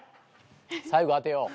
最後当てよう。